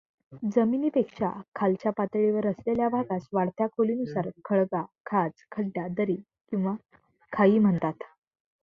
जमिनीपेक्षा खालच्या पातळीवर असलेल्या भागास वाढत्या खोलीनुसार खळगा, खाच, खड्डा, दरी किंवा खाई म्हणतात.